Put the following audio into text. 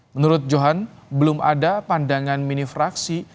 menurut johan belum ada pandangan mini fraksi